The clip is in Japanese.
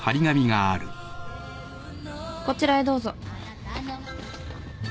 こちらへどうぞ。